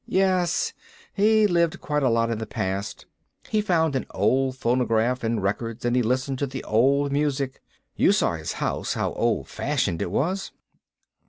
"Yes, he lived quite a lot in the past. He found an old phonograph and records, and he listened to the old music. You saw his house, how old fashioned it was."